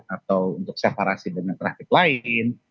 atau untuk separasi dengan trafik lain